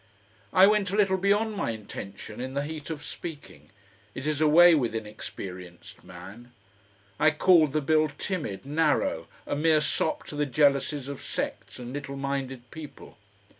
I went a little beyond my intention in the heat of speaking, it is a way with inexperienced man. I called the Bill timid, narrow, a mere sop to the jealousies of sects and little minded people.